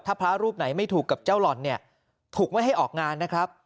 ถ้าพระรูปไหนไม่ถูกกับเจ้าหล่อนเนี่ยถูกไม่ให้ออกงานนะครับ